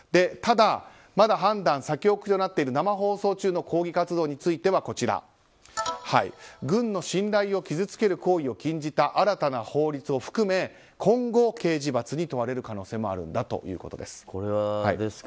ただまだ判断が先送りとなっている生放送中の抗議活動については軍の信頼を傷つける行為を禁じた新たな法律も含め今後、刑事罰に問われる可能性もあるんだということです。